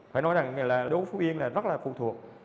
phải nói rằng là đối với phú yên là rất là phụ thuộc